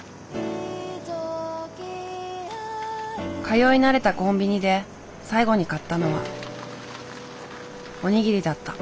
通い慣れたコンビニで最後に買ったのはお握りだった。